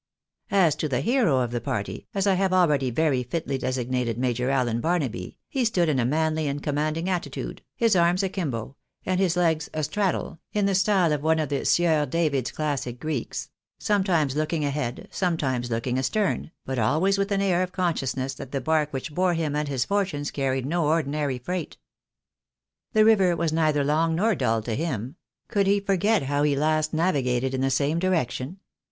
As to the hero of the party — as I have already very fitly designated Major Allen Barnaby — he stood in a manly and com manding attitude ; his arms a kimbo, and his legs " a straddle," in the style of one of the Sieur David's classic Greeks, sometimes looking ahead, sometimes looking astern, but always with an air of consciousness that the bark which bore him and his fortunes carried no ordinary freight. The river was neither long nor duU to him — could he forget how he last navigated in the same di rection